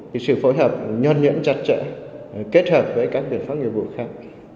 thì sự phối hợp nhuận nhẫn chặt chẽ kết hợp với các biện pháp nhiệm vụ khác